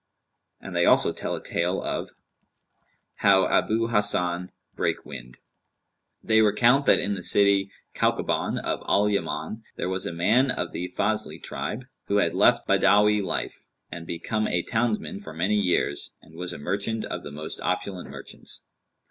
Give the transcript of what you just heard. And they also tell a tale of HOW ABU HASAN BRAKE WIND. They recount that in the City Kaukabαn of Al Yaman there was a man of the Fazlν tribe who had left Badawi life, and become a townsman for many years and was a merchant of the most opulent merchants.